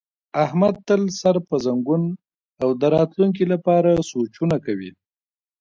احمد تل سر په زنګون او د راتونکي لپاره سوچونه کوي.